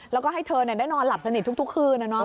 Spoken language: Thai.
แล้วก็ให้เธอได้นอนหลับสนิททุกคืน